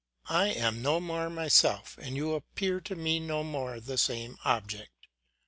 I am no more myself, and you appear to me no more the same object.